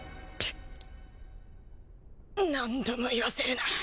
何度も言わせるな。